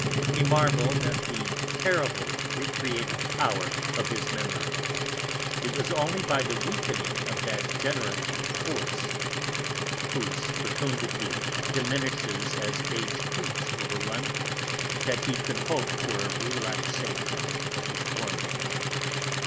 He marvelled at the terrible recreative power of his memory. It was only by the weakening of that generative force, whose fecundity diminishes as age creeps over one, that he could hope for a relaxation of his torments.